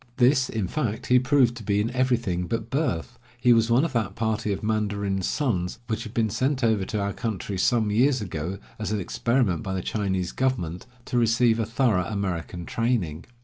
This, in fact, he proved to be in everything but birth. He was one of that party of mandarins' sons which had been sent over to our country some years ago, as an experiment by the Chinese government, to receive a thorough American training.